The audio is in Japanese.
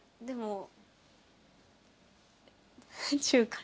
でも。